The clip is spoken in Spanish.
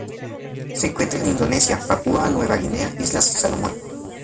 Se encuentra en Indonesia, Papúa Nueva Guinea Islas Salomón.